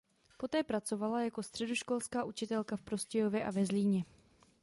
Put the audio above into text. Poté pracovala jako středoškolská učitelka v Prostějově a ve Zlíně.